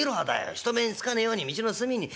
人目につかねえように道の隅に。